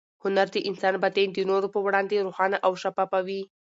هنر د انسان باطن د نورو په وړاندې روښانه او شفافوي.